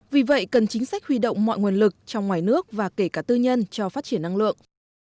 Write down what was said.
vì vậy cần chính sách huy động mọi nguồn lực trong ngoài nước và kể cả tư nhân cho phát triển năng lượng